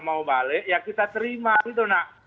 mau balik ya kita terima gitu nak